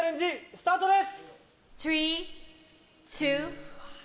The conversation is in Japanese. スタートです！